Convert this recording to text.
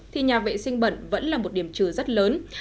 thì nhà vệ sinh bẩn vẫn là một điểm trừ rất lớn